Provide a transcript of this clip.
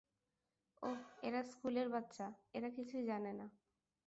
ওহ, এরা স্কুলের বাচ্চা, এরা কিছুই জানে না।